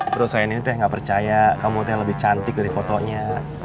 bro saya ini teh gak percaya kamu tuh yang lebih cantik dari fotonya